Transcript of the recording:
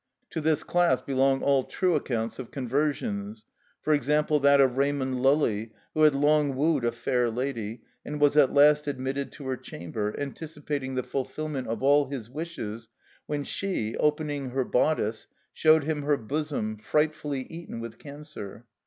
To this class belong all true accounts of conversions; for example, that of Raymond Lully, who had long wooed a fair lady, and was at last admitted to her chamber, anticipating the fulfilment of all his wishes, when she, opening her bodice, showed him her bosom frightfully eaten with cancer.